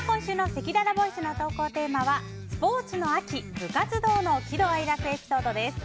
今週のせきららボイスの投稿テーマはスポーツの秋・部活動の喜怒哀楽エピソードです。